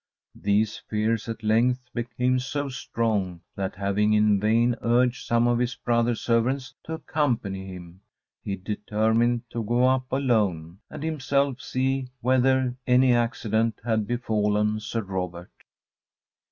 These fears at length became so strong, that having in vain urged some of his brother servants to accompany him, he determined to go up alone, and himself see whether any accident had befallen Sir Robert.